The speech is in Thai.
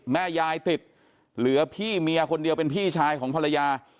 แม่ยายติดเหลือพี่เมียคนเดียวเป็นพี่ชายของภรรยา